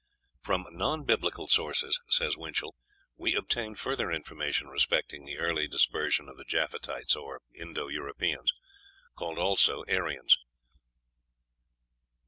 "From non Biblical sources," says Winchell, "we obtain further information respecting the early dispersion of the Japhethites or Indo Europeans called also Aryans.